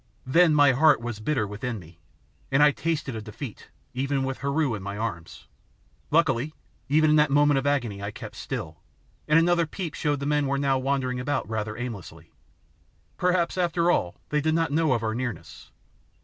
Then my heart was bitter within me, and I tasted of defeat, even with Heru in my arms. Luckily even in that moment of agony I kept still, and another peep showed the men were now wandering about rather aimlessly. Perhaps after all they did not know of our nearness?